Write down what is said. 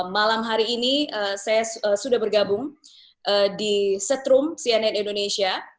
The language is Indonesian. malam hari ini saya sudah bergabung di setrum cnn indonesia